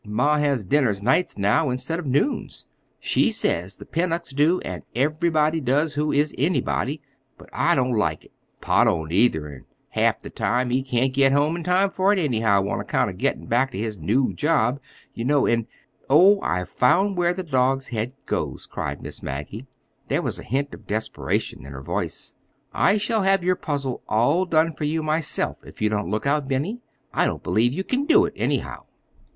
Ma has dinners nights now, instead of noons. She says the Pennocks do, an' everybody does who is anybody. But I don't like it. Pa don't, either, an' half the time he can't get home in time for it, anyhow, on account of gettin' back to his new job, ye know, an'—" "Oh, I've found where the dog's head goes," cried Miss Maggie, There was a hint of desperation in her voice. "I shall have your puzzle all done for you myself, if you don't look out, Benny. I don't believe you can do it, anyhow."